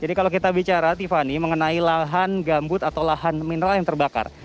jadi kalau kita bicara tiffany mengenai lahan gambut atau lahan mineral yang terbakar